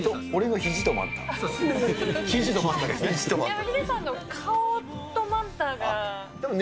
ヒデさんの顔とマンタが。